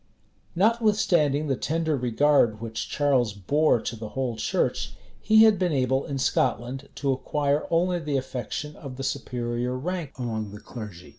[] Notwithstanding the tender regard which Charles bore to the whole church, he had been able in Scotland to acquire only the affection of the superior rank among the clergy.